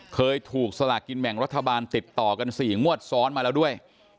เคยถูกสลากินแบ่งรัฐบาลติดต่อกัน๔งวดซ้อนมาแล้วด้วย